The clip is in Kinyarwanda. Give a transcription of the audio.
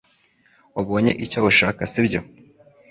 Wabonye icyo ushaka sibyo